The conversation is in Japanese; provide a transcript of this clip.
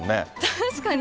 確かに。